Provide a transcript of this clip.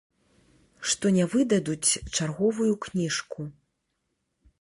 Што не выдадуць чарговую кніжку.